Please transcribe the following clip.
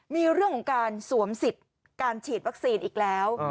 มีเรื่องของการสวมสิทธิ์การฉีดวัคซีนอีกแล้ว